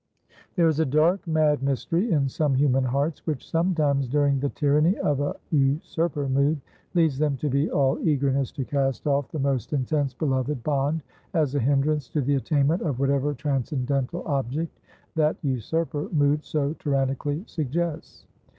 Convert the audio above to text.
There is a dark, mad mystery in some human hearts, which, sometimes, during the tyranny of a usurper mood, leads them to be all eagerness to cast off the most intense beloved bond, as a hindrance to the attainment of whatever transcendental object that usurper mood so tyrannically suggests.